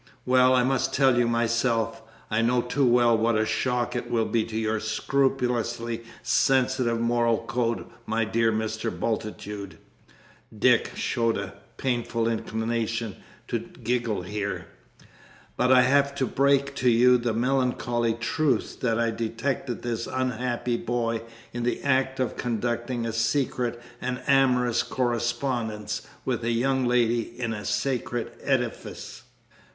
Well, I must tell you myself. I know too well what a shock it will be to your scrupulously sensitive moral code, my dear Mr. Bultitude" (Dick showed a painful inclination to giggle here); "but I have to break to you the melancholy truth that I detected this unhappy boy in the act of conducting a secret and amorous correspondence with a young lady in a sacred edifice!"